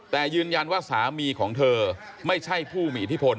แต่ยืนยันว่าสามีของเธอไม่ใช่ผู้มีอิทธิพล